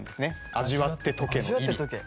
「味わって解け」の意味。